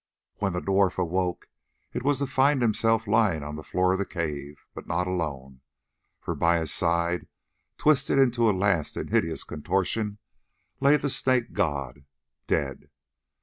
When the dwarf awoke it was to find himself lying on the floor of the cave, but not alone, for by his side, twisted into a last and hideous contortion, lay the Snake god—dead!